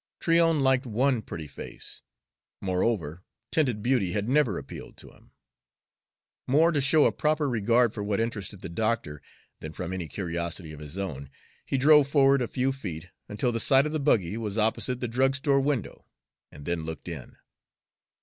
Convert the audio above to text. Tryon liked one pretty face; moreover, tinted beauty had never appealed to him. More to show a proper regard for what interested the doctor than from any curiosity of his own, he drove forward a few feet, until the side of the buggy was opposite the drugstore window, and then looked in.